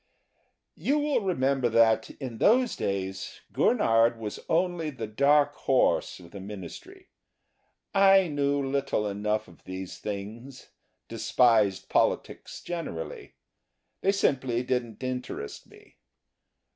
You will remember that, in those days, Gurnard was only the dark horse of the ministry. I knew little enough of these things, despised politics generally; they simply didn't interest me.